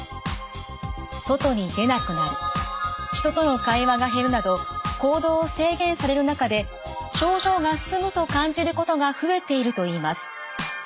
外に出なくなる人との会話が減るなど行動を制限される中で症状が進むと感じることが増えているといいます。